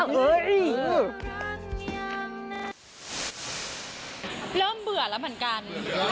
เริ่มเบื่อแล้วเหมือนกัน